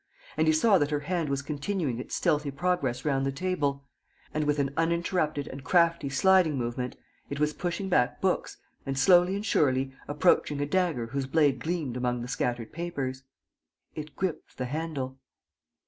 And he saw that her hand was continuing its stealthy progress round the table and that, with an uninterrupted and crafty sliding movement, it was pushing back books and, slowly and surely, approaching a dagger whose blade gleamed among the scattered papers. It gripped the handle.